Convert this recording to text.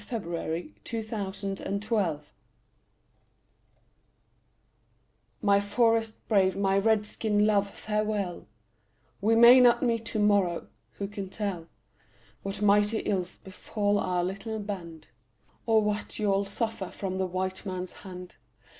A CRY FROM AN INDIAN WIFE My forest brave, my Red skin love, farewell; We may not meet to morrow; who can tell What mighty ills befall our little band, Or what you'll suffer from the white man's hand?